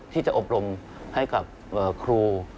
ที่จะอบรมให้กับครู